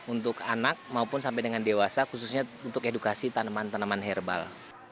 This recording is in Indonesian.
untuk anak maupun sampai dengan dewasa khususnya untuk edukasi tanaman tanaman herbal